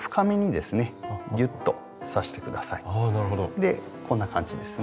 でこんな感じですね。